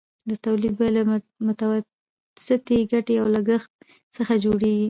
د تولید بیه له متوسطې ګټې او لګښت څخه جوړېږي